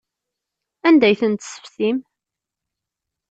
Anda ay ten-tessefsim?